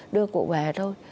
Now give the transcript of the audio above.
đưa cụ về thôi